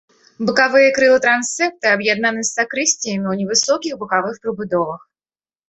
Бакавыя крылы трансепта аб'яднаны з сакрысціямі ў невысокіх бакавых прыбудовах.